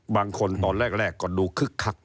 ตอนแรกก็ดูคึกคัก